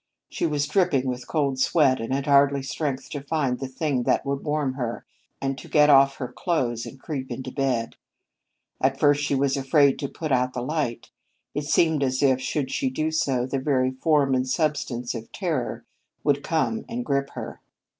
She was dripping with cold sweat, and had hardly strength to find the thing that would warm her and to get off her clothes and creep into bed. At first she was afraid to put out the light. It seemed as if, should she do so, the very form and substance of Terror would come and grip her.